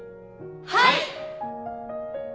はい！